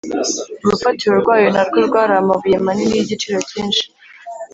Urufatiro rwayo na rwo rwari amabuye manini y’igiciro cyinshi